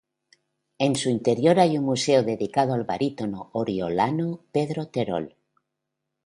En su interior hay un museo dedicado al barítono oriolano Pedro Terol.